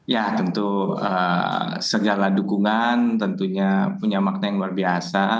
ya tentu segala dukungan tentunya punya makna yang luar biasa